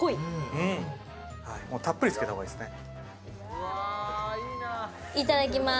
たっぷりつけた方がいいですね。